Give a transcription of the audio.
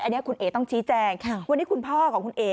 อันนี้คุณเอ๋ต้องชี้แจงวันนี้คุณพ่อของคุณเอ๋